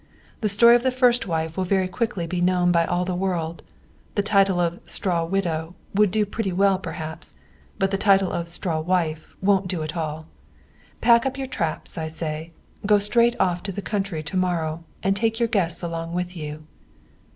The story of the first wife will very quickly be known by all the world. The title of straw widow would do pretty well perhaps, but the title of straw wife won't do at all. Pack up your traps, I say, go straight off to the country to morrow, and take your guests along with you."